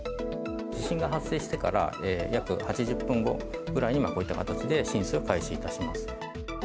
地震が発生してから約８０分後くらいに、こういった形で浸水を開始いたします。